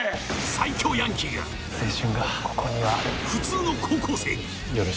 最強ヤンキーが普通の高校生に。